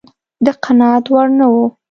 د قناعت وړ نه و.